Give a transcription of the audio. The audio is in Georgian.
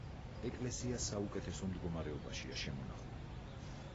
ეკლესია საუკეთესო მდგომარეობაშია შემონახული.